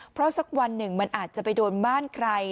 เพราะสักวันหนึ่งมันอาจจะไปโดนบ้านใคร